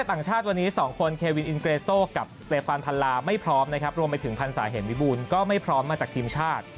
ต่างชาติวันนี้๒คนเควินอินเกรโซกับสเตฟานพันลาไม่พร้อมนะครับรวมไปถึงพันศาเห็นวิบูลก็ไม่พร้อมมาจากทีมชาติ